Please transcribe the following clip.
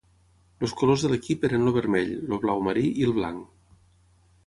Els colors de l'equip eren el vermell, el blau marí i el blanc.